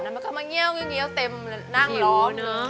แล้วเขามาเงี้ยวเต็มนั่งรอบ